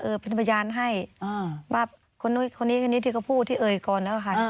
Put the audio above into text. เออเป็นพยานให้อ่าว่าคนนี้คนนี้ที่เขาพูดที่เอ่ยก่อนแล้วค่ะอ่า